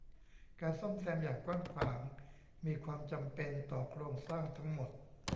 การซ่อมแซมอย่างกว้างขวางมีความจำเป็นต่อโครงสร้างทั้งหมด